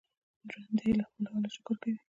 ژوندي له خپل حاله شکر کوي